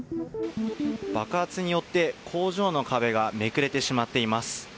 爆発によって工場の壁がめくれてしまっています。